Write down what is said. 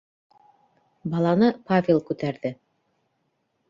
Баланы Павел күтәрҙе.